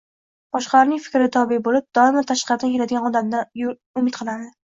boshqalarning fikriga tobe bo‘lib, doimo tashqaridan keladigan yordamdan umid qiladilar.